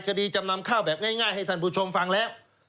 จำนำข้าวแบบง่ายให้ท่านผู้ชมฟังแล้ว